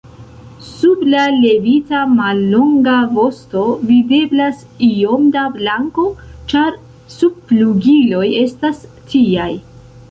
Sub la levita mallonga vosto videblas iom da blanko, ĉar subflugiloj estas tiaj.